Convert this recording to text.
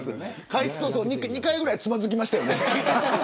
開始早々、２回ぐらいでつまずきましたよね。